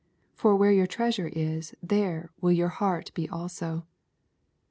34 For where vour treasure is, there will your heart be also.